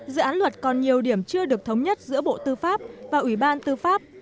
dự án luật còn nhiều điểm chưa được thống nhất giữa bộ tư pháp và ủy ban tư pháp